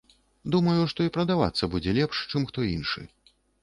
Думаю, што і прадавацца будзе лепш, чым хто іншы.